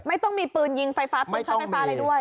ไม่ต้องมีปืนยิงไฟฟ้าปืนช็อตไฟฟ้าอะไรด้วย